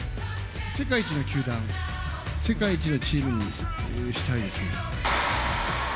世界一の球団、世界一のチームにしたいです。